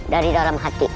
dari dalam hati